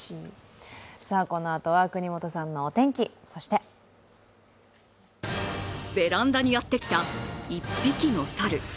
このあとは國本さんのお天気、そしてベランダにやってきた１匹の猿。